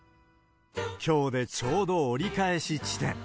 きょうでちょうど折り返し地点。